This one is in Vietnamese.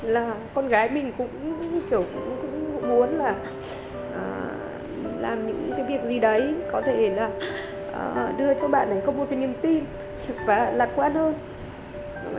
là con gái mình cũng kiểu cũng muốn là làm những cái việc gì đấy có thể là đưa cho bạn ấy có một cái niềm tin trực và lạc quan hơn